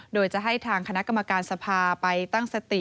โดยจะให้ทางคณะกรรมการสภาไปตั้งสติ